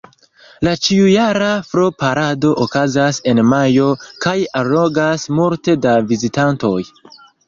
La ĉiujara Flor-parado okazas en majo kaj allogas multe da vizitantoj.